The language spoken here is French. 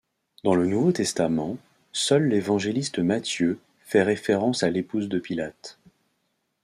Dans le Nouveau Testament, seul l'évangéliste Matthieu fait référence à l'épouse de Pilate.